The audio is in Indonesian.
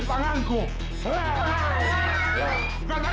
panjang ya leng